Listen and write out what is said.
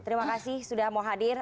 terima kasih sudah mau hadir